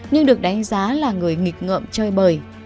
nhưng được đánh giá là người nghịch ngợm chơi bời